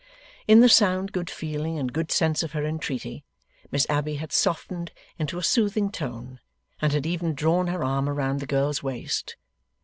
In the sound good feeling and good sense of her entreaty, Miss Abbey had softened into a soothing tone, and had even drawn her arm round the girl's waist.